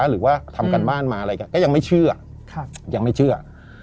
หรือว่าทำการบ้านมาอะไรก็ยังไม่เชื่อยังไม่เชื่อ